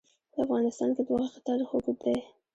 په افغانستان کې د غوښې تاریخ اوږد دی.